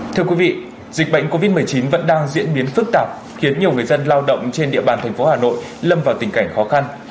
thưa quý vị dịch bệnh covid một mươi chín vẫn đang diễn biến phức tạp khiến nhiều người dân lao động trên địa bàn thành phố hà nội lâm vào tình cảnh khó khăn